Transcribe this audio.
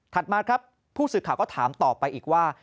มาครับผู้สื่อข่าวก็ถามต่อไปอีกว่า